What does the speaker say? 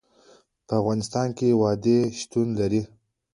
په افغانستان کې وادي شتون لري.